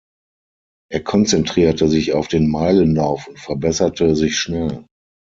Er konzentrierte sich auf den Meilenlauf und verbesserte sich schnell.